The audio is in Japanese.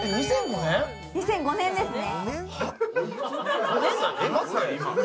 ２００５年ですね。